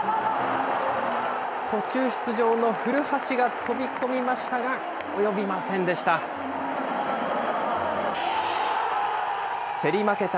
途中出場の古橋が飛び込みましたが、及びませんでした。